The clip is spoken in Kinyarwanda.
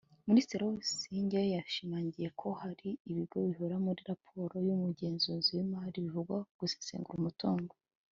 Minisitiri Busingye yashimangiye ko hari ibigo bihora muri raporo y’umugenzuzi w’imari bivugwamo gusesagura umutungo